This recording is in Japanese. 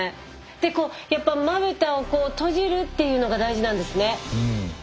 でこうやっぱまぶたを閉じるっていうのが大事なんですね。